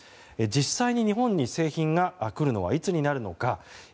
実際に日本に製品が来るのはいつになるのか。